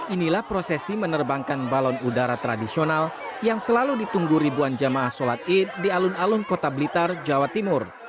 inilah prosesi menerbangkan balon udara tradisional yang selalu ditunggu ribuan jamaah sholat id di alun alun kota blitar jawa timur